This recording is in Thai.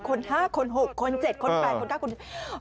คนห้าคนหกคนเจ็ดคนแปนคนกล้า